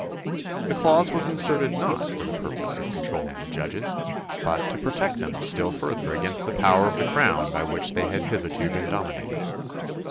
The clause was inserted not for the purpose of controlling the judges, but to protect them still further against the power of the crown by which they had hitherto been dominated.